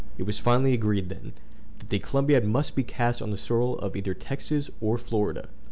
It was finally agreed, then, that the Columbiad must be cast on the soil of either Texas or Florida.